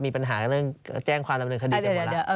มีปัญหาเรื่องแจ้งความลำเนินคดีเต็มเวลา